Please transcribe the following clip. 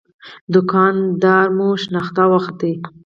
دوکان دار مو شناخته وخت.